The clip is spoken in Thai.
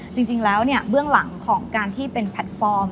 จริงแล้วเบื้องหลังของการที่เป็นแพลตฟอร์ม